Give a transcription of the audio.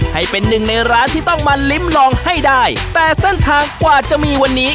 ให้เป็นหนึ่งในร้านที่ต้องมาลิ้มลองให้ได้แต่เส้นทางกว่าจะมีวันนี้